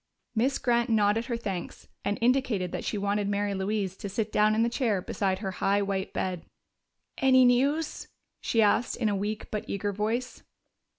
Miss Grant nodded her thanks and indicated that she wanted Mary Louise to sit down in the chair beside her high white bed. "Any news?" she asked in a weak but eager voice.